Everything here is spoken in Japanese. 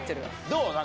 どう？